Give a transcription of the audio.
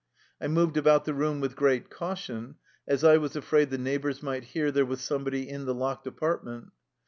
I moved about the room with great caution, as I was afraid the neighbors might hear there was somebody in the locked apartment.